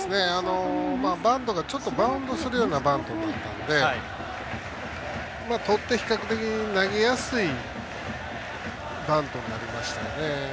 バントがバウンドするようなバントだったのでとって比較的、投げやすいバントになりましたよね。